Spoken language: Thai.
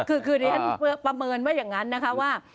คือดิฉันประเมินว่าอย่างนั้นนะคะว่า